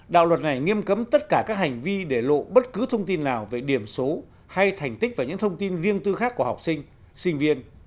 đạo luật này nghiêm cấm tất cả các hành vi để lộ bất cứ thông tin nào về điểm số hay thành tích và những thông tin riêng tư khác của học sinh sinh viên